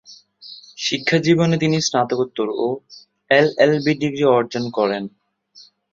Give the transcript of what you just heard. শিক্ষাজীবনে তিনি স্নাতকোত্তর ও এলএলবি ডিগ্রি অর্জন করেন।